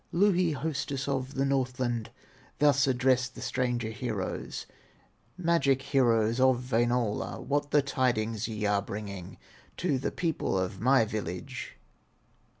Louhi, hostess of the Northland, Thus addressed the stranger heroes: "Magic heroes of Wainola, What the tidings ye are bringing To the people of my village?"